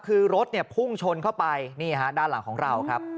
คือรถเนี่ยพุ่งชนเข้าไปนี่ฮะด้านหลังของเราครับ